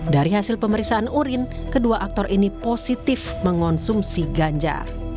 dari hasil pemeriksaan urin kedua aktor ini positif mengonsumsi ganja